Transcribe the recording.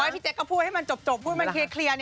อ๋อพี่เจ๊ก็พูดให้มันจบพูดให้มันเคลียร์